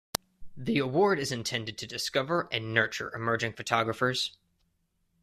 The award is intended to discover and nurture emerging photographers.